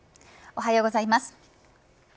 おはようございます。